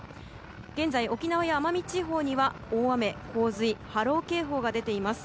現在、沖縄や奄美地方には大雨・洪水・波浪警報が出ています。